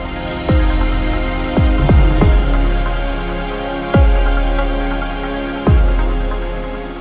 aku mau ke bagian manajemen